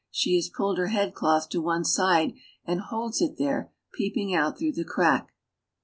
She has pulled her head cloth to one side and holds it there, peeping out throngh the crack.